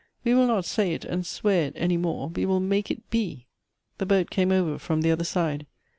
We will not say it and swear it any more — we will make it be." The boat came over from the other side.